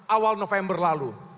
awal november lalu